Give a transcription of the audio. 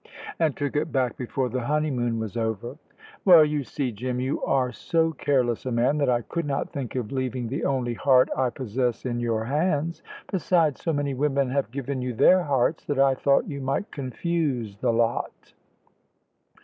"And took it back before the honeymoon was over." "Well, you see, Jim, you are so careless a man that I could not think of leaving the only heart I possess in your hands. Besides, so many women have given you their hearts that I thought you might confuse the lot."